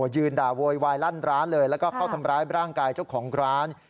เป็นคลิปเหตุการณ์